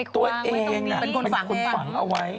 อ๋อตัวเองนะเป็นขุนวังเอาไว้